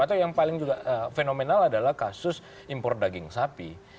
atau yang paling juga fenomenal adalah kasus impor daging sapi